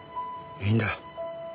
いいんだ。